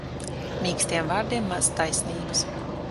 Mīkstiem vārdiem maz taisnības.